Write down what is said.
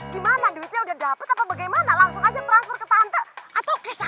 gimana duitnya udah dapet apa bagaimana langsung aja transfer ke tante atau kisah